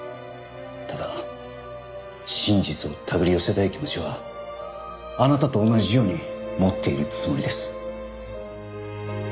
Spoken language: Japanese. ただ真実をたぐり寄せたい気持ちはあなたと同じように持っているつもりです。